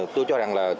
tôi cho rằng là